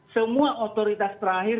semua otoritas terakhir